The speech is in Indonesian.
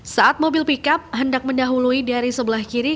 saat mobil pickup hendak mendahului dari sebelah kiri